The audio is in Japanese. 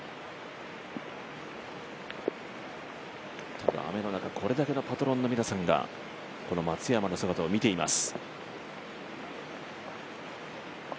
ただ、雨の中、これだけのパトロンの皆さんが松山の姿を見ています。